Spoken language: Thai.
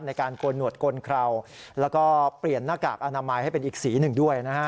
โกนหนวดโกนเคราแล้วก็เปลี่ยนหน้ากากอนามัยให้เป็นอีกสีหนึ่งด้วยนะฮะ